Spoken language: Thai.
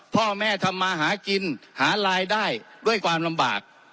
พ่อแม่ทำมาหากินหารายได้ด้วยความลำบาก